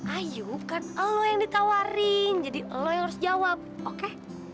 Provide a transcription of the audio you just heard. ayu bukan lo yang ditawarin jadi lo yang harus jawab oke